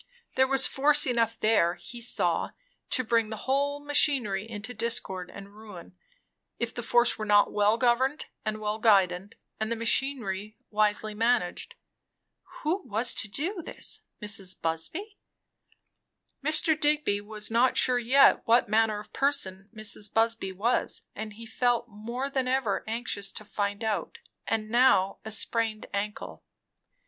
There was force enough there, he saw, to bring the whole machinery into disorder and ruin, if the force were not well governed and well guided, and the machinery wisely managed. Who was to do this? Mrs. Busby? Mr. Digby was not sure yet what manner of person Mrs. Busby was; and he felt more than ever anxious to find out. And now a sprained ankle!